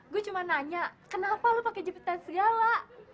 gue cuma nanya kenapa lo pake cepitan segala